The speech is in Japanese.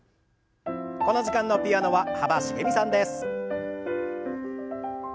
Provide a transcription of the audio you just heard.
この時間のピアノは幅しげみさんです。